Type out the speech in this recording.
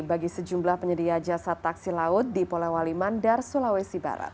bagi sejumlah penyedia jasa taksi laut di polewali mandar sulawesi barat